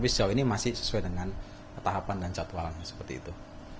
tapi sejauh ini masih sesuai dengan tahapan dan jadwalnya seperti itu